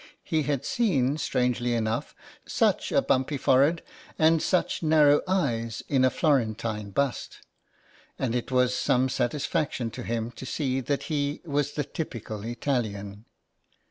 He had seen, strangely enough, such a bumpy forehead, and such narrow eyes in a Florentine bust, and it was some satisfaction to him to see that he was the typical Italian.